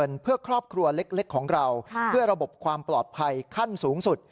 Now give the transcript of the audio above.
เล็กของเราเพื่อระบบความปลอดภัยขั้นสูงสุด